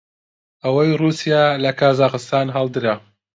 ئەوەی ڕووسیا لە کازاخستان هەڵدرا